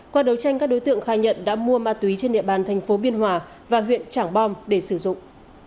qua đấu tranh các đối tượng khai nhận đã mua ma túy trên địa bàn thành phố biên hòa và huyện trảng bom để sử dụng